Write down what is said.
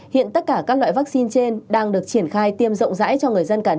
hiện tất cả các loại vaccine trên đang được triển khai tiêm rộng